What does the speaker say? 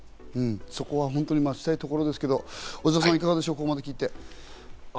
そこを待ちたいところですけど、小澤さん、どうでしょう？